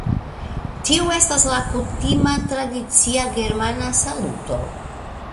Tio estas la kutima tradicia germana saluto